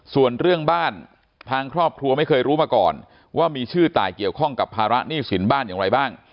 ส่วนเรื่องบ้านทางครอบครัวไม่เคยรู้มาก่อนว่ามีชื่อตายเกี่ยวข้องกับภาระหนี้สินบ้านอย่างไรบ้าง